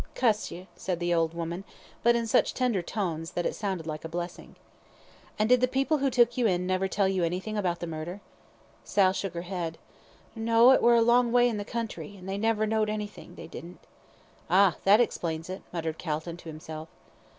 "Cuss ye," said the old woman, but in such a tender tone that it sounded like a blessing. "And did the people who took you in never tell you anything about the murder?" asked Calton. Sal shook her head. "No, it were a long way in the country, and they never knowd anythin', they didn't." "Ah! that explains it," muttered Calton to himself.